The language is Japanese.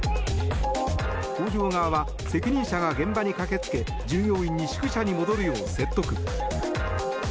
工場側は責任者が現場に駆けつけ従業員に宿舎に戻るよう説得。